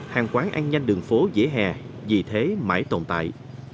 hàng quán ăn nhanh đường phố dễ hè vì thế mãi tồn tại